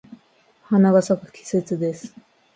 花が咲く季節です。